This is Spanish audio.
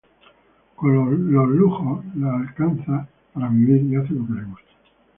Con los lujos, le alcanza para vivir y hace lo que le gusta.